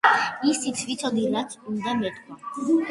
ისიც ვიცოდი რაც უნდა მეთქვა.